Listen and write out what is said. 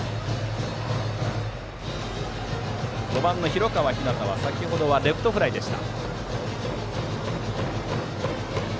５番の広川陽大は先程の打席はレフトフライでした。